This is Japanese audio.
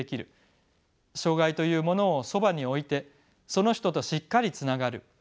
障がいというものをそばに置いてその人としっかりつながる。